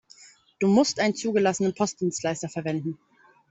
Du musst einen zugelassenen Postdienstleister verwenden.